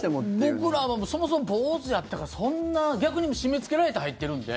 僕らはそもそも坊主やったからそんな逆に締めつけられて入ってるんで。